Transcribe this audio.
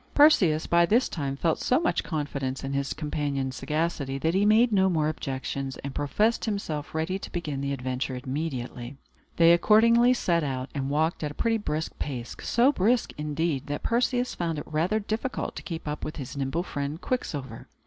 Perseus, by this time, felt so much confidence in his companion's sagacity, that he made no more objections, and professed himself ready to begin the adventure immediately. They accordingly set out, and walked at a pretty brisk pace; so brisk, indeed, that Perseus found it rather difficult to keep up with his nimble friend Quicksilver.